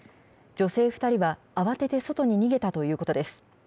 女性２人は慌てて外に逃げたということです。